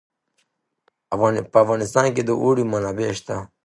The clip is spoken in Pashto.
په افغانستان کې د اوړي منابع شته.